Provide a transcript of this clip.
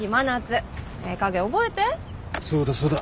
そうだそうだ。